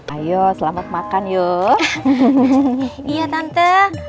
ayo selamat makan yuk iya tante